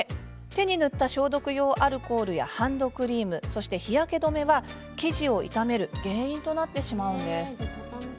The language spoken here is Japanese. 手に塗った消毒用アルコールやハンドクリーム、日焼け止めは生地を傷める原因になるそうです。